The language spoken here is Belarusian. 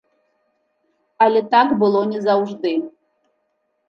Але так было не заўжды.